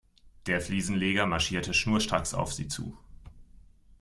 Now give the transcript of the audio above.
Der Fliesenleger marschierte schnurstracks auf sie zu.